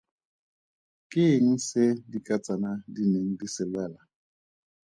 Ke eng se dikatsana di neng di se lwela?